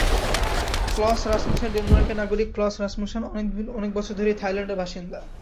Clause Rasmussen ডেনমার্কের নাগরিক Claus Rasmussen অনেক বছর ধরেই থাইল্যান্ডের বাসিন্দা।